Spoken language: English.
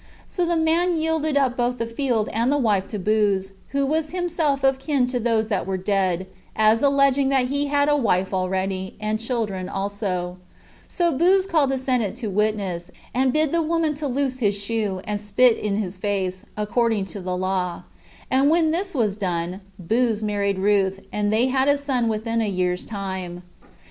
So the man yielded up both the field and the wife to Booz, who was himself of kin to those that were dead, as alleging that he had a wife already, and children also; so Booz called the senate to witness, and bid the woman to loose his shoe, and spit in his face, according to the law; and when this was done, Booz married Ruth, and they had a son within a year's time.